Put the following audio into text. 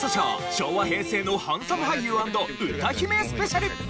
昭和・平成のハンサム俳優＆歌姫スペシャル。